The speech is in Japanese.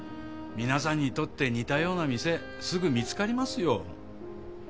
皆さんにとって似たような店すぐ見つかりますよ。